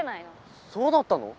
そうだったの？